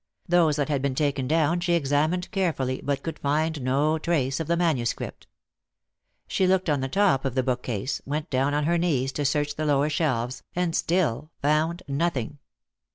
Those that had been taken down she examined carefully, but could find no trace of the manuscript. She looked on the top of the bookcase, went down on her knees to search the lower shelves, and still found nothing.